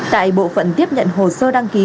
tại bộ phận tiếp nhận hồ sơ đăng ký